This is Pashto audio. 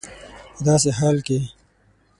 په داسي حال کي